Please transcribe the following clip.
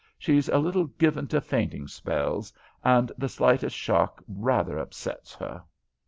She's a little given to fainting spells, and the slightest shock rather upsets her."